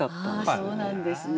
そうなんですね。